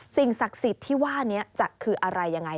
สิ่งศักดิ์สิทธิ์ที่ว่านี้จะคืออะไรยังไง